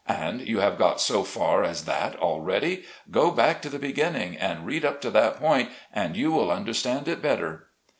' And you have got so far as that already ? Go back to the begin ning and read up to that point, and you will under 50 SLAVE CABIN TO PULPIT. stand it better.'"